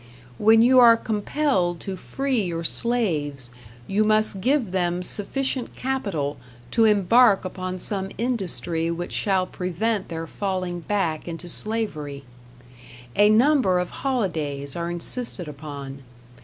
When you are compelled to free your slaves, you must give them sufficient capital to embark upon some industry which shall prevent their falling back into slavery. A number of holidays are insisted upon.